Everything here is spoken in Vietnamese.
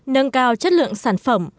nâng cao chất lượng sản phẩm